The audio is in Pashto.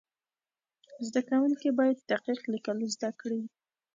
زده کوونکي باید دقیق لیکل زده کړي.